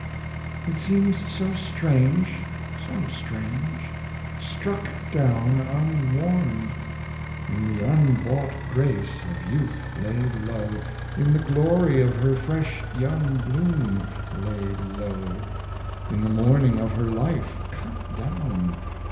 It seems so strange... so strange... Struck down unwarned! In the unbought grace, of youth laid low In the glory of her fresh young bloom laid low In the morning of her life cut down!